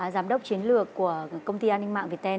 giám đốc chiến lược của công ty an ninh mạng viettel